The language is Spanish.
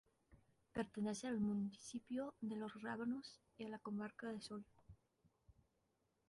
Pertenece al municipio de Los Rábanos, y a la Comarca de Soria.